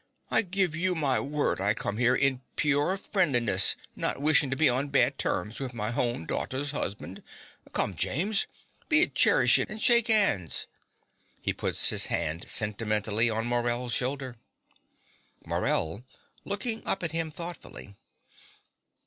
I give you my word I come here in pyorr (pure) frenliness, not wishin' to be on bad terms with my hown daughrter's 'usban'. Come, James: be a Cherishin and shake 'ands. (He puts his hand sentimentally on Morell's shoulder.) MORELL (looking up at him thoughtfully).